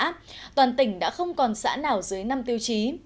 từ năm hai nghìn một mươi tám toàn tỉnh đã không còn xã nào dưới năm tiêu chí